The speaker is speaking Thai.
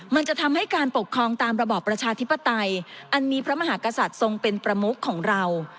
มันจะทำให้การปกครองตามระบอบประชาธิปไตยอันมีพระมหากษัตริย์ทรงเป็นประมุขของเรา